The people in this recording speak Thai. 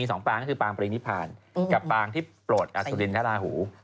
สองปางก็คือปางปรีนิพานกับปางที่โปรดอสุรินทราหู